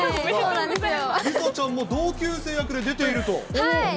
梨紗ちゃんも、同級生役で出ていると。